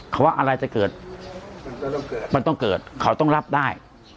เขาว่าอะไรจะเกิดมันต้องเกิดเขาต้องรับได้